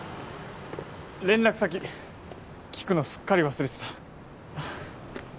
連絡先聞くのすっかり忘れてた。